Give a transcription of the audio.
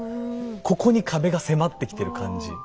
ここに壁が迫ってきてる感じ。